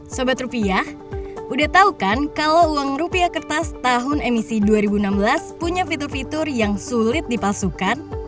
sobat rupiah udah tau kan kalau uang rupiah kertas tahun emisi dua ribu enam belas punya fitur fitur yang sulit dipalsukan